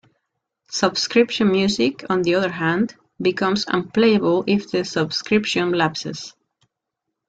Subscription music, on the other hand, becomes unplayable if the subscription lapses.